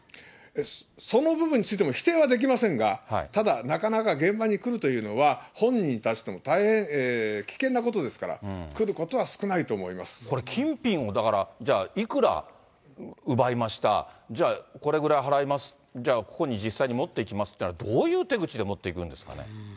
その部分についても否定はできませんが、ただ、なかなか現場に来るというのは、本人に対しても大変危険なことですから、来ることは少ないと思いこれ、金品を、だから、じゃあ、いくら奪いました、じゃあ、これぐらい払います、じゃあここに実際に持っていきますって、どういう手口でもっていくんですかね。